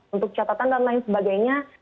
untuk catatan dan lain sebagainya